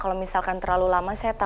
banget membantu saya